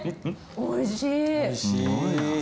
おいしい。